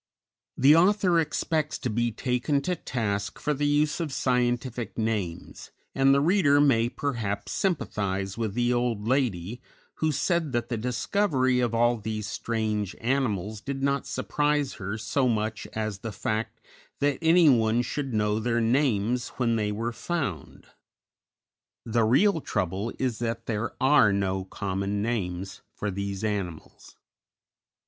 _ _The author expects to be taken to task for the use of scientific names, and the reader may perhaps sympathize with the old lady who said that the discovery of all these strange animals did not surprise her so much as the fact that anyone should know their names when they were found. The real trouble is that there are no common names for these animals.